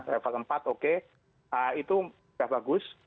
level empat oke itu sudah bagus